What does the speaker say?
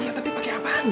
iya tapi pakai apaan